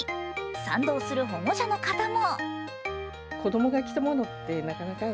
賛同する保護者の方も。